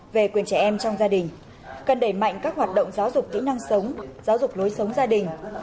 về quyền trẻ em trong gia đình cần đẩy mạnh các hoạt động giáo dục kỹ năng sống giáo dục lối sống gia đình